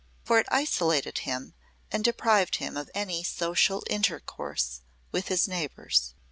For it isolated him and deprived him of any social intercourse with his neighbors.